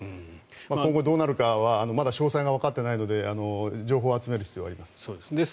今後どうなるかはまだ詳細がわかってないので情報を集める必要があります。